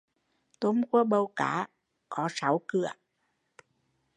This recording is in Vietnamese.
Tôm cua bầu cá có sáu cửa